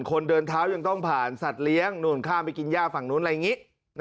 คนเดินเท้ายังต้องผ่านสัตว์เลี้ยงนู่นข้ามไปกินย่าฝั่งนู้นอะไรอย่างนี้